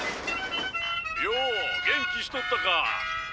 よお元気しとったか。